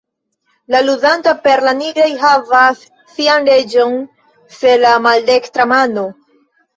La ludanta per la nigraj havas sian reĝon ĉe la maldekstra mano.